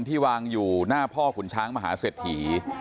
ที่วางอยู่หน้าพ่อขุนช้างมหาเศรษฐี